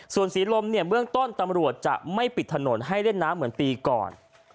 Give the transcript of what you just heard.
ส่วนศรีลมเนี่ยเบื้องต้นตำรวจจะไม่ปิดถนนให้เล่นน้ำเหมือนปีก่อน